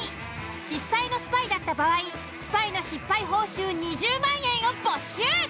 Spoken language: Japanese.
実際のスパイだった場合スパイの失敗報酬２０万円を没収！